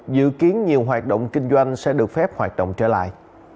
dự kiến nhiều hoạt động kinh doanh sẽ được phép hoạt động trở lại